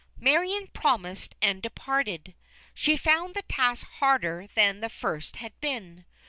Marion promised and departed. She found the task harder than the first had been.